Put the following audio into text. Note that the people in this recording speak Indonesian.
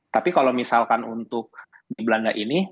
tapi kalau misalkan untuk di belanda ini